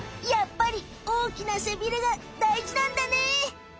やっぱり大きな背ビレが大事なんだね。